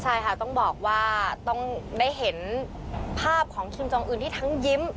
ใช่ค่ะต้องบอกว่าต้องได้เห็นภาพของคิมจองอื่นที่ทั้งยิ้ม